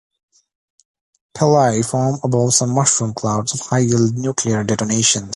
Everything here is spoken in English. Pilei form above some mushroom clouds of high-yield nuclear detonations.